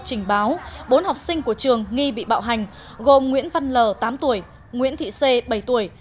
trình báo bốn học sinh của trường nghi bị bạo hành gồm nguyễn văn l tám tuổi nguyễn thị xê bảy tuổi